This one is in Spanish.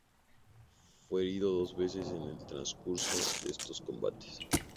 Fue herido dos veces en el transcurso de estos combates.